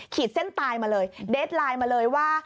เส้นตายมาเลยเดสไลน์มาเลยว่า